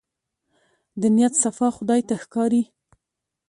د نيت صفا خدای ته ښکاري.